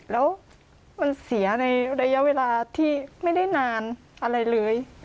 แล้วมันเสียในระยะเวลาที่ไม่ได้นานอะไรเลย